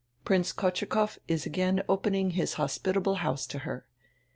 Prince Kotschukoff is again opening his hos pitable house to her.